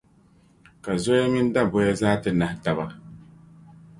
ka zoya mini daboya zaa ti nahi taba.